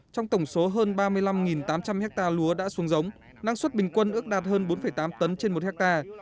trong tổng số hơn ba mươi năm tám trăm linh hectare lúa đã xuống giống năng suất bình quân ước đạt hơn bốn tám tấn trên một hectare